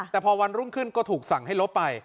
แต่พอวันรุ่งขึ้นก็ถูกสั่งให้ลบไป